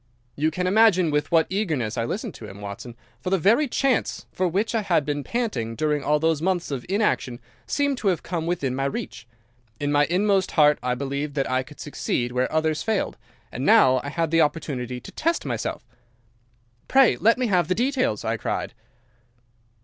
"You can imagine with what eagerness I listened to him, Watson, for the very chance for which I had been panting during all those months of inaction seemed to have come within my reach. In my inmost heart I believed that I could succeed where others failed, and now I had the opportunity to test myself. "'Pray, let me have the details,' I cried.